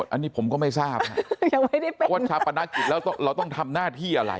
อันนี้ผมก็ไม่ทราบนะยังไม่ได้เป็นวันชาปนกิจแล้วเราต้องทำหน้าที่อะไร